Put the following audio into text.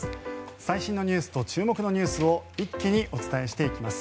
最新のニュースと注目のニュースを一気にお伝えしてまいります。